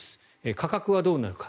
価格はどうなるか。